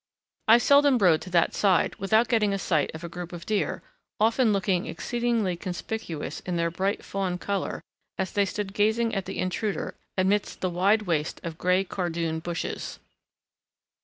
I seldom rode to that side without getting a sight of a group of deer, often looking exceedingly conspicuous in their bright fawn colour as they stood gazing at the intruder amidst the wide waste of grey cardoon bushes.